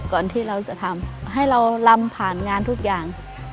ก่อนที่เราจะทำให้เรารำผ่านงานทุกอย่าง